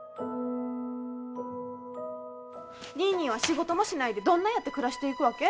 ニーニーは仕事もしないでどんなやって暮らしていくわけ？